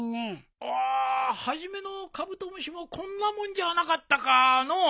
ああ初めのカブトムシもこんなもんじゃなかったかのう？